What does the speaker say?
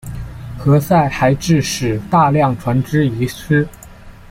何塞还致使大量船只遗失。